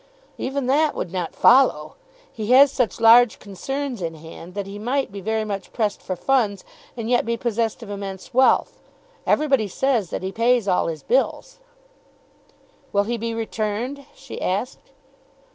"Even that would not follow. He has such large concerns in hand that he might be very much pressed for funds, and yet be possessed of immense wealth. Everybody says that he pays all his bills." "Will he be returned?" she asked.